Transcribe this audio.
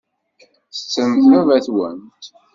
Tettremt baba-twent?